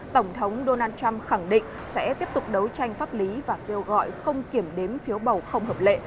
tổng thống donald trump khẳng định sẽ tiếp tục đấu tranh pháp lý và kêu gọi không kiểm đếm phiếu bầu không hợp lệ